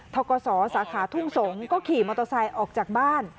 กศสาขาทุ่งสงศ์ก็ขี่มอเตอร์ไซค์ออกจากบ้าน